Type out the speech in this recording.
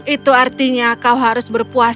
itu artinya kau harus berpuasa